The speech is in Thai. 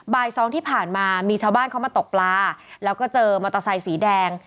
บ่ายสองที่ผ่านมามีชาวบ้านเขามาตกปลาแล้วก็เจอมอเตอร์ไซค์สีแดง